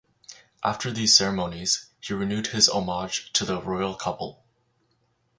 After these ceremonies, he renewed his homage to the royal couple.